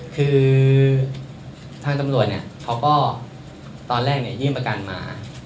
คือทางจำรวจเขาก็ตอนแรกยื่นประกันมา